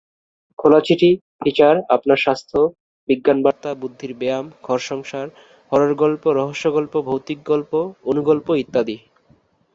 খোলা চিঠি, ফিচার, আপনার স্বাস্থ্য, বিজ্ঞান বার্তা, বুদ্ধির ব্যায়াম, ঘর-সংসার, হরর গল্প, রহস্য গল্প, ভৌতিক গল্প, অণু গল্প ইত্যাদি।